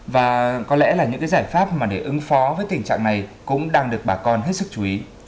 và có lẽ là những cái giải pháp mà để ứng phó với tình trạng này cũng đang được bà con hết sức chú ý